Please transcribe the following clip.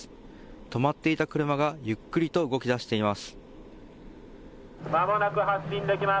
止まっていた車がゆっくりと動きだしています。